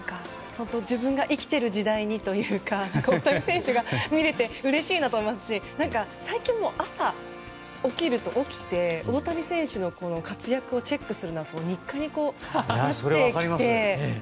自分が生きている時代にというか、大谷選手が見れてうれしいなと思いますし最近、朝起きて大谷選手の活躍をチェックするのが日課になってきてて。